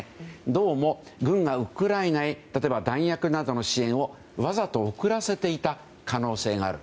どうも、軍がウクライナへ例えば弾薬などの支援をわざと遅らせていた可能性がある。